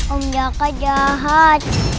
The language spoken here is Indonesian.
om daka jahat